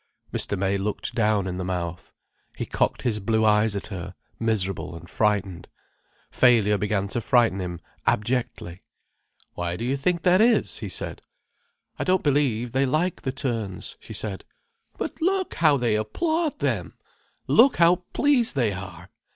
Mr. May looked down in the mouth. He cocked his blue eyes at her, miserable and frightened. Failure began to frighten him abjectly. "Why do you think that is?" he said. "I don't believe they like the turns," she said. "But look how they applaud them! Look how pleased they are!"